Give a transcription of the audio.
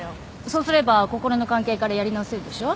そうすれば心の関係からやり直せるでしょ？